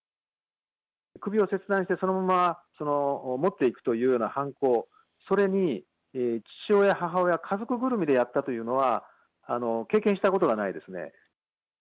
首を切断してそのまま持っていくというような犯行、それに父親、母親、家族ぐるみでやったというのは経験したことがないですね。